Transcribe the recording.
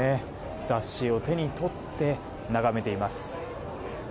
雑誌を手に取って眺めています。